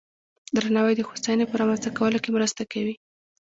درناوی د هوساینې په رامنځته کولو کې مرسته کوي.